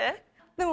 でも。